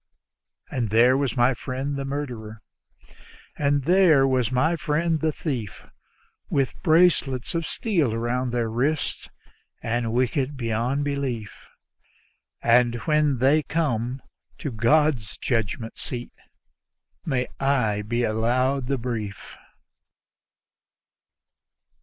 And there was my friend the murderer, and there was my friend the thief, With bracelets of steel around their wrists, and wicked beyond belief: But when they come to God's judgment seat may I be allowed the brief.